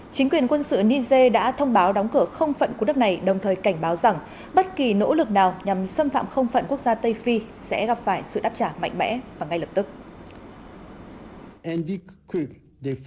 chính quyền quân sự niger đã thông báo đóng cửa không phận của nước này đồng thời cảnh báo rằng bất kỳ nỗ lực nào nhằm xâm phạm không phận quốc gia tây phi sẽ gặp phải sự đáp trả mạnh mẽ và ngay lập tức